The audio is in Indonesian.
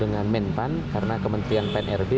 dengan menpan karena kementerian pnrb